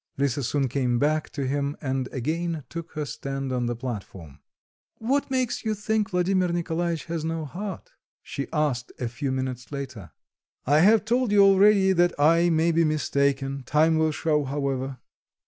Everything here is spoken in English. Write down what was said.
Lisa soon came back to him, and again took her stand on the platform. "What makes you think Vladimir Nikolaitch has no heart?" she asked a few minutes later. "I have told you already that I may be mistaken; time will show, however."